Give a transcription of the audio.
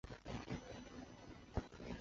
多数过氯酸盐可溶于水。